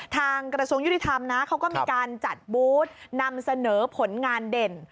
กระทรวงยุติธรรมนะเขาก็มีการจัดบูธนำเสนอผลงานเด่น